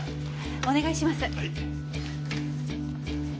お願いします。